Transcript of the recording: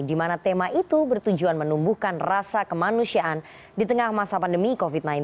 di mana tema itu bertujuan menumbuhkan rasa kemanusiaan di tengah masa pandemi covid sembilan belas